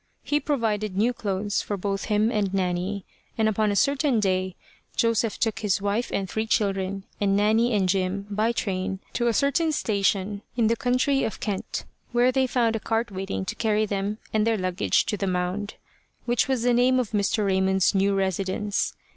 He provided new clothes for both him and Nanny; and upon a certain day, Joseph took his wife and three children, and Nanny and Jim, by train to a certain station in the county of Kent, where they found a cart waiting to carry them and their luggage to The Mound, which was the name of Mr. Raymond's new residence.